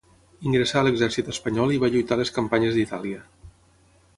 Ingressà a l'exèrcit Espanyol i va lluitar a les campanyes d'Itàlia.